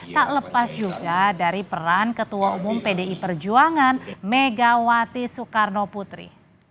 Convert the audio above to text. tak lepas juga dari peran ketua umum pdi perjuangan megawati soekarno putri